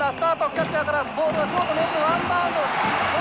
キャッチャーからボールはショートにワンバウンド！